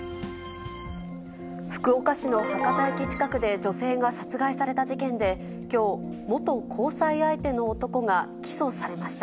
福岡市の博多駅近くで女性が殺害された事件で、きょう、元交際相手の男が起訴されました。